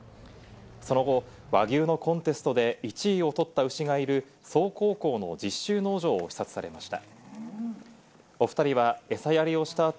その後、和牛のコンテストで１位を取った牛がいる、曽於高校の実習農場を視察されました。